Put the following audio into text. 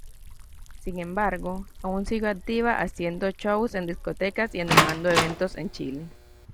Sin embargo, aún siguió activa haciendo shows en discotecas y animando eventos en Chile.